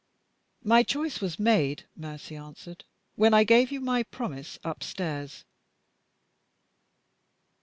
"My choice was made," Mercy answered, "when I gave you my promise upstairs."